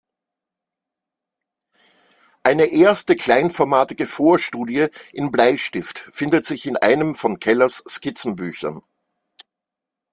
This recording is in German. Eine erste kleinformatige Vorstudie in Bleistift findet sich in einem von Kellers Skizzenbüchern.